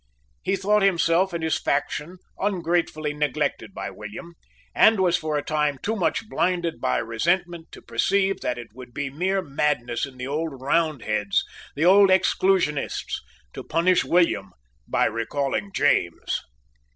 He thought himself and his faction ungratefully neglected by William, and was for a time too much blinded by resentment to perceive that it would be mere madness in the old Roundheads, the old Exclusionists, to punish William by recalling James.